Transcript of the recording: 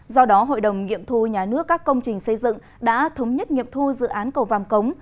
do đó hội đồng nghiệm thu nhà nước các công trình xây dựng đã thống nhất nghiệm thu dự án cầu vàm cống